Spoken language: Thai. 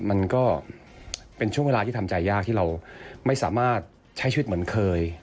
มันก็เป็นช่วงเวลาที่ทำใจยากที่เราไม่สามารถใช้ชีวิตเหมือนเคย